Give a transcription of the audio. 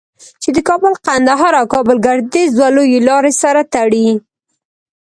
چې د کابل قندهار او کابل گردیز دوه لویې لارې سره تړي.